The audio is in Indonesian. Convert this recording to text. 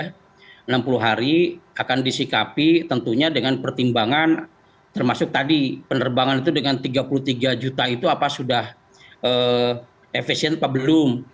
karena enam puluh hari akan disikapi tentunya dengan pertimbangan termasuk tadi penerbangan itu dengan tiga puluh tiga juta itu apa sudah efisien apa belum